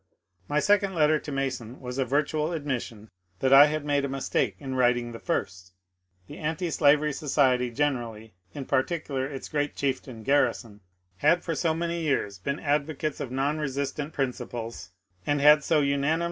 My second letter to Mason was a virtual admission tiiat I had made a mistake in writing the first. The Antislavery Society generally, in particular its great chieftain Garrison, had for so many years been advocates of non resistance prin 1 Boston, April 10, 1863.